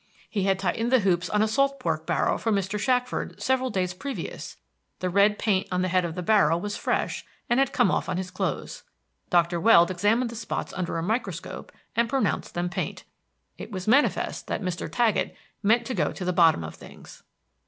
He had tightened the hoops on a salt pork barrel for Mr. Shackford several days previous; the red paint on the head of the barrel was fresh, and had come off on his clothes. Dr. Weld examined the spots under a microscope, and pronounced them paint. It was manifest that Mr. Taggett meant to go to the bottom of things.